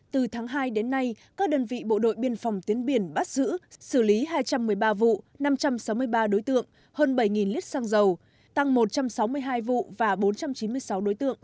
từ tháng hai đến nay các đơn vị bộ đội biên phòng tiến biển bắt giữ xử lý hai trăm một mươi ba vụ năm trăm sáu mươi ba đối tượng hơn bảy lít xăng dầu tăng một trăm sáu mươi hai vụ và bốn trăm chín mươi sáu đối tượng